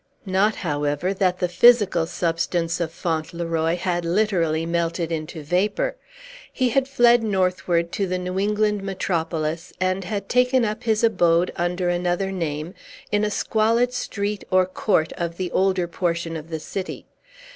Not, however, that the physical substance of Fauntleroy had literally melted into vapor. He had fled northward to the New England metropolis, and had taken up his abode, under another name, in a squalid street or court of the older portion of the city.